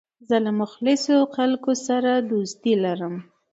زه له مخلصو خلکو سره دوستي لرم.